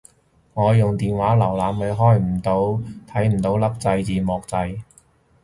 我用電話瀏覽器開睇唔到粒字幕掣